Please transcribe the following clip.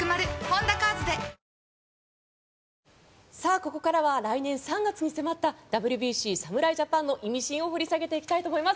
ここからは来年３月に迫ったＷＢＣ侍ジャパンのイミシンを掘り下げていきたいと思います。